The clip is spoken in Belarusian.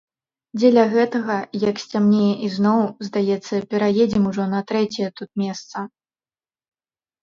Дзеля гэтага, як сцямнее ізноў, здаецца, пераедзем ужо на трэцяе тут месца.